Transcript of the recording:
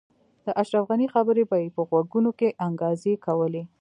د اشرف خان خبرې به یې په غوږونو کې انګازې کولې